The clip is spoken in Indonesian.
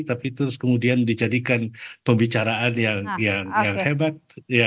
tapi terus kemudian dijadikan pembicaraan yang hebat